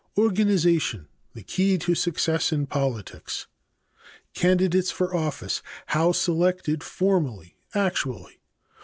Organization the key to success in politics. Candidates for office, how selected, formally, actually.